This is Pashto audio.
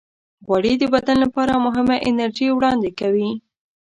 غوړې د بدن لپاره مهمه انرژي وړاندې کوي.